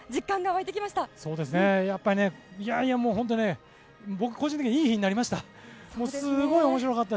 いやいや本当に僕、個人的にいい日になりました。